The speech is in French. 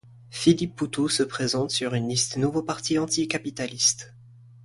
Philippe Poutou se présente sur une liste Nouveau Parti anticapitaliste.